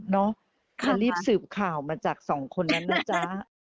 มารีบสืบข่าวมาจากสองคนนั้นนะจ๊ะ